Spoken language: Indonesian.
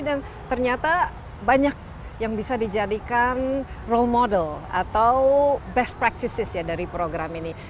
dan ternyata banyak yang bisa dijadikan role model atau best practices ya dari program ini